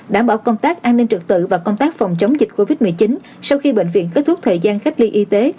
đảm bảo công tác an ninh trực tự và công tác phòng chống dịch covid một mươi chín sau khi bệnh viện kết thúc thời gian cách ly y tế